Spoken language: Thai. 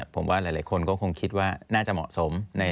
ผมว่าหลายคนก็คงคิดว่าน่าจะเหมาะสม